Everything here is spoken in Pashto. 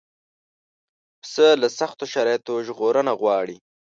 پسه له سختو شرایطو ژغورنه غواړي.